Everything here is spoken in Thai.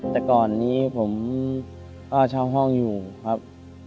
แต่ก่อนนี้ผมก็เช่าห้องอยู่ครับ